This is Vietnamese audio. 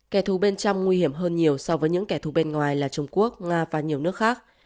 kẻ thù bên trong nguy hiểm hơn nhiều so với những kẻ thù bên ngoài là trung quốc nga và nhiều nước khác